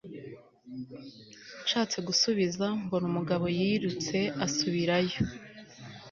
nshatse gusubiza mbona umugabo yirutse asubirayo